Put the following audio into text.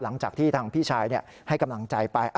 หลังจากที่ทางพี่ชายให้กำลังใจไป